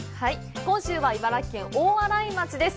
今週は茨城県大洗町です。